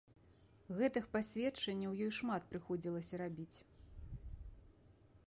Гэтых пасведчанняў ёй шмат прыходзілася рабіць.